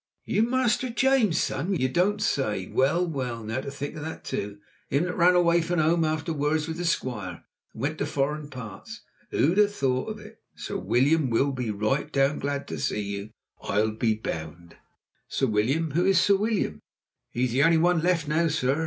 "You Master James' son you don't say! Well! well! Now to think of that too! Him that ran away from home after words with the Squire, and went to foreign parts. Who'd have thought it! Sir William will be right down glad to see ye, I'll be bound." "Sir William, and who's Sir William?" "He's the only one left now, sir.